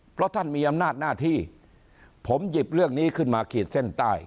เพราะท่านมีอำนาจหน้าที่ผมหยิบเรื่องนี้ขึ้นมาขีดเส้นใต้